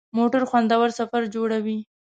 موټر خوندور سفر جوړوي.